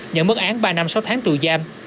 nhận mất án ba năm sáu tháng tù giam